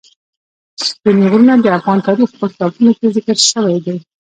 ستوني غرونه د افغان تاریخ په کتابونو کې ذکر شوی دي.